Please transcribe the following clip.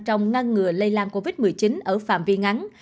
trong ngăn ngừa lây lan covid một mươi chín ở phạm vi ngắn